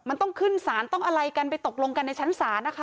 มันต้องขึ้นศาลต้องอะไรกันไปตกลงกันในชั้นศาลนะคะ